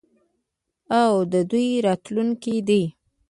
او د دوی راتلونکی دی.